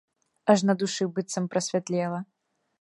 Аж на душы быццам прасвятлела.